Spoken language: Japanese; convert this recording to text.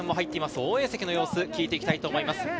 応援席の様子を聞いていきたいと思います。